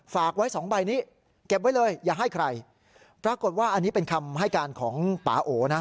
ฝากไว้สองใบนี้เก็บไว้เลยอย่าให้ใครปรากฏว่าอันนี้เป็นคำให้การของป่าโอนะ